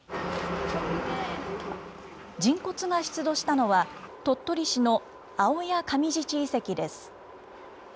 人骨が出土したのは、鳥取市の青谷上寺地遺跡です。